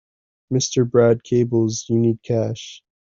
Mr. Brad cables you need cash.